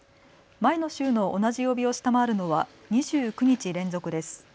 前の週の同じ曜日を下回るのは２９日連続です。